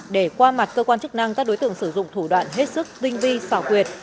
để qua mặt cơ quan chức năng các đối tượng sử dụng thủ đoạn hết sức tinh vi xảo quyệt